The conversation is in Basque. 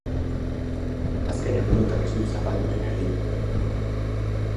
Azken egunotan ez dut zapaldu ere egin...